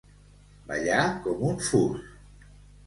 Ballar com un fus.